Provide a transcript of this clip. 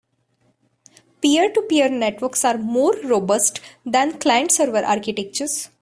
Peer-to-peer networks are more robust than client-server architectures.